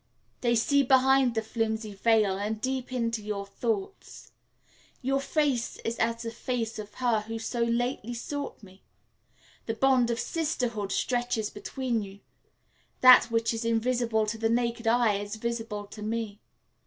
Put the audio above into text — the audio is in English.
"They see behind the flimsy veil and deep into your thoughts. Your face is as the face of her who so lately sought me. The bond of sisterhood stretches between you. That which is invisible to the naked eye is visible to me.